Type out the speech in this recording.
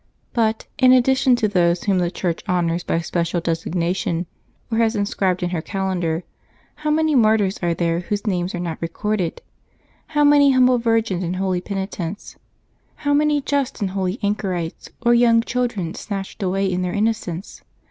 But, in addition to those whom the Church honors by special designation, or has inscribed in her calendar, how many martyrs are there whose names are not recorded ! How many humble virgins and holy penitents! How many just and holy anchorites or young children snatched away in their innocence